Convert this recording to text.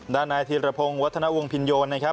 ด้านนายธีรพงศ์วัฒนวงพินโยนนะครับ